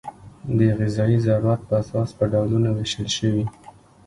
د غذایي ضرورت په اساس په ډولونو وېشل شوي.